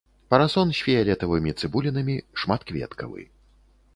Парасон з фіялетавымі цыбулінамі, шматкветкавы.